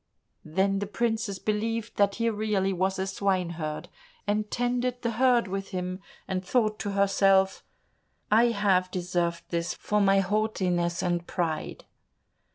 Then the princess believed that he really was a swineherd, and tended the herd with him, and thought to herself, "I have deserved this for my haughtiness and pride."